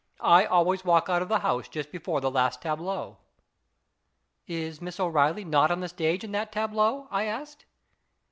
"I always walk out of the house just before the last tableau." " Is Miss O'Reilly not on the stage in that tableau ?" I asked.